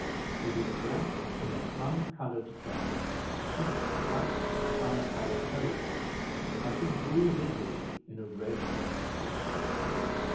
He was dressed in a plum coloured doublet and tight plum coloured hose, and he drew busily in a red edged book.